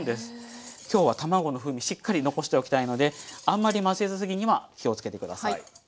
今日は卵の風味しっかり残しておきたいのであんまり混ぜすぎには気をつけてください。